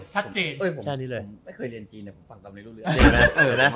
ชัดจีนเออแค่นี้เลยผมไม่เคยจริงเนี้ยผมฟังภาพไม่รู้เลย